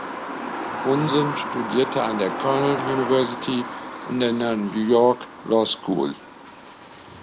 Munson studierte an der Cornell University und an der New York Law School.